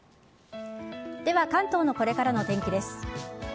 では関東のこれからのお天気です。